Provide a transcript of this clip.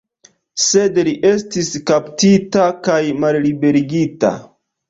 Sed li estis kaptita kaj malliberigita.